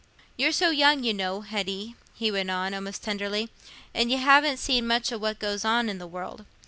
"You're so young, you know, Hetty," he went on, almost tenderly, "and y' haven't seen much o' what goes on in the world.